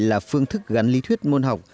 là phương thức gắn lý thuyết môn học